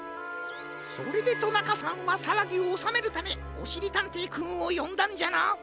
それでとなかさんはさわぎをおさめるためおしりたんていくんをよんだんじゃな。